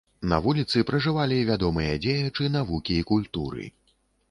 На вуліцы пражывалі вядомыя дзеячы навукі і культуры.